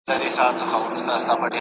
د وصال خوب.